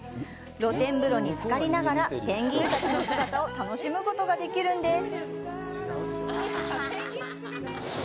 露天風呂につかりながらペンギンたちの姿を楽しむことができるんです。